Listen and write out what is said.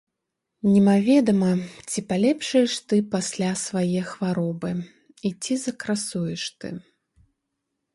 Немаведама, ці палепшаеш ты пасля свае хваробы і ці закрасуеш ты!